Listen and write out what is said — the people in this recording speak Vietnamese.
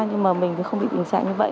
nhưng mà mình thì không bị tình trạng như vậy